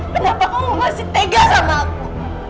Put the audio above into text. kenapa kamu masih tega sama aku